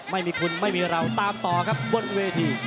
ไม่มีคุณไม่มีเราตามต่อครับบนเวที